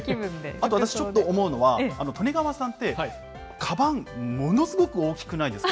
あと私、ちょっと思うのは、利根川さんって、かばん、ものすごく大きくないですか。